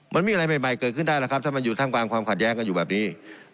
มันมีอะไรใหม่เกิดขึ้นได้แล้วครับถ้ามันอยู่ท่ามกลางความขัดแย้งกันอยู่แบบนี้